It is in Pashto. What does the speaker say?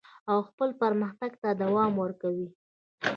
او خپل پرمختګ ته دوام ورکوي.